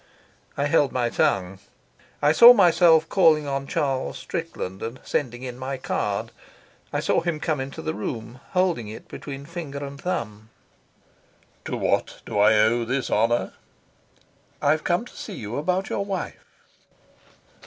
I held my tongue. I saw myself calling on Charles Strickland and sending in my card; I saw him come into the room, holding it between finger and thumb: "To what do I owe this honour?" "I've come to see you about your wife."